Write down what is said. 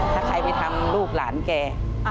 ถ้าใครไปทำลูกหลานแก